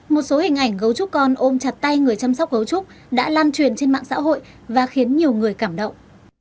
một số hình ảnh gấu chúc con ôm chặt tay người chăm sóc gấu trúc đã lan truyền trên mạng xã hội và khiến nhiều người cảm động